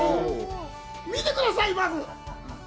見てください、まず！